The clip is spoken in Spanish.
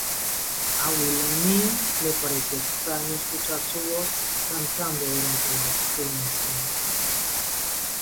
A Willa O'Neill le pareció extraño escuchar su voz cantando durante la filmación.